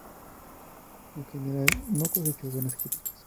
En general no cosechó buenas críticas.